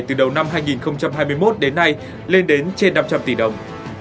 từ đầu năm hai nghìn hai mươi một đến nay lên đến trên năm trăm linh tỷ đồng